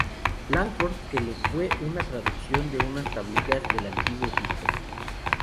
Langford, que le propone una traducción de unas tablillas del Antiguo Egipto.